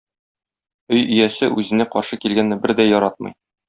Өй иясе үзенә каршы килгәнне бер дә яратмый.